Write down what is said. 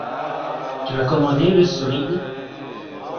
Tu as commandé le solide ?